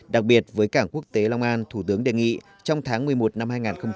đặc biệt với cảng quốc tế long an thủ tướng đề nghị trong tháng một mươi một năm hai nghìn hai mươi